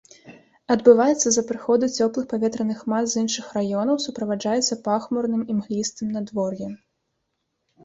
Адбываецца з-за прыходу цёплых паветраных мас з іншых раёнаў, суправаджаецца пахмурным імглістым надвор'ем.